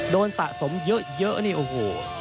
โดนตะสมเยอะนี่โอ้โห